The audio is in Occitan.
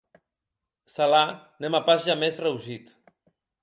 Cela ne m'a pas jamais reussi!